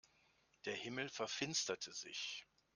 Der Himmel verfinsterte sich.